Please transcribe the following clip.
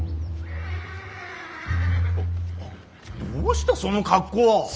どうしたその格好は。